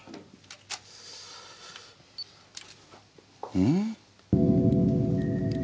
うん？